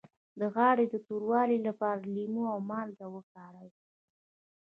د غاړې د توروالي لپاره لیمو او مالګه وکاروئ